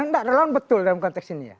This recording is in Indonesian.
tidak relawan betul dalam konteks ini ya